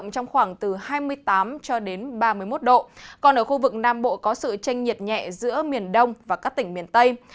còn ở khu vực nam bộ có sự tranh nhiệt nhẹ giữa miền đông và các tỉnh miền tây